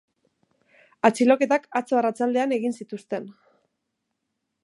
Atxiloketak atzo arratsaldean egin zituzten.